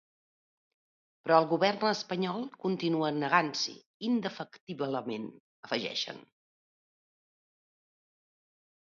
Però el govern espanyol continua negant-s’hi indefectiblement, afegeixen.